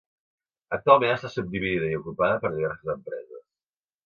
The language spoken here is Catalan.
Actualment està subdividida i ocupada per diverses empreses.